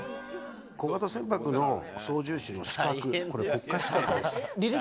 小型船舶の操縦士の資格、これ、国家資格です。